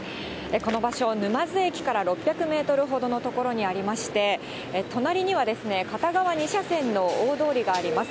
この場所、沼津駅から６００メートルほどの所にありまして、隣には、片側２車線の大通りがあります。